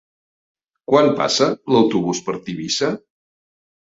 Quan passa l'autobús per Tivissa?